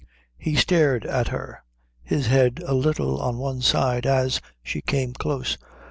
He stared at her, his head a little on one side, as she came close.